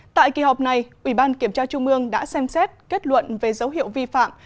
tại kỳ họp này ủy ban kiểm tra trung ương đã xem xét kết luận về dấu hiệu vi phạm